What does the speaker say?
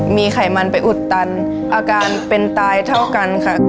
มีไขมันไปอุดตันอาการเป็นตายเท่ากันค่ะ